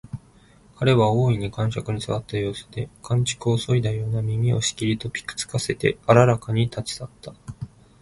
彼は大いに肝癪に障った様子で、寒竹をそいだような耳をしきりとぴく付かせてあららかに立ち去った